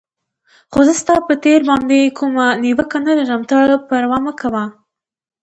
خو زه ستا پر تېر باندې کومه نیوکه نه لرم، ته پروا مه کوه.